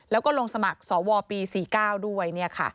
แล้วก็ลงสมัครสวปี๔๙ด้วย